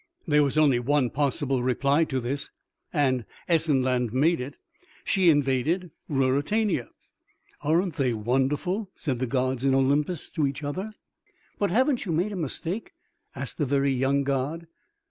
There was only one possible reply to this, and Essenland made it. She invaded Ruritania. ("Aren't they wonderful?" said the gods in Olympus to each other. "_But haven't you made a mistake?" asked the very young god.